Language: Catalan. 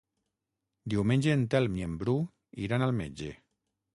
Diumenge en Telm i en Bru iran al metge.